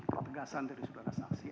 ketegasan dari sudara saksi